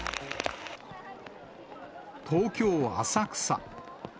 東京・浅草。